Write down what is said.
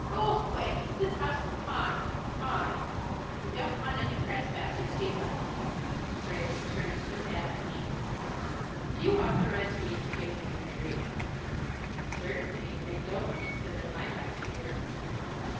go away! This house is mine mine! I don't want any trespassers here." Graham turned to Madge. "Do you authorise me to gain an entry?" "Certainly. I don't want to spend the night out here."